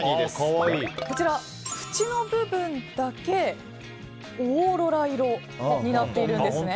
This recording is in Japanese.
こちら、縁の部分だけオーロラ色になっているんです。